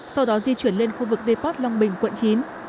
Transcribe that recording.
sau đó di chuyển lên khu vực deport long bình quận chín